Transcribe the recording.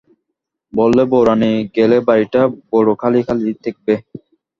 বললে, বউরানী গেলে বাড়িটা বড়ো খালি-খালি ঠেকবে।